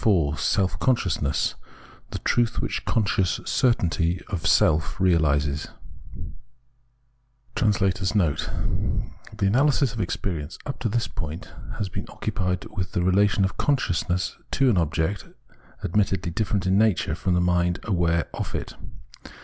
B SELF CONSCIOUSNESS * IV THE TRUTH WHICH CONSCIOUS CERTAINTY OF SELF REALISES [The analysis of experience up to this point has been occupied with the relation of consciousness to an object admittedly different in nature from the mind aware of it.